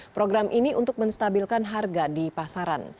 program ini untuk menstabilkan harga di pasaran